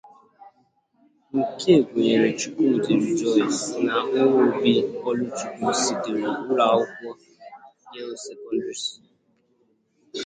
nke gụnyere Chukwudi Rejoice na Nwobi Oluchukwu sitere ụlọakwụkwọ 'Girls Secondary